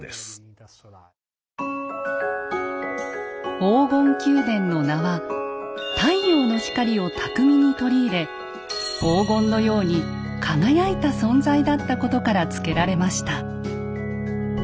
黄金宮殿の名は太陽の光を巧みに取り入れ黄金のように輝いた存在だったことから付けられました。